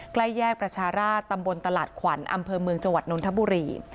ใกล้แยกประชาราชตำบลตลาดขวัญอำเภอเมืองจังหวัดนนทบุรี